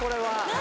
・何？